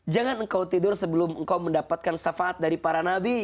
jangan engkau tidur sebelum engkau mendapatkan syafaat dari para nabi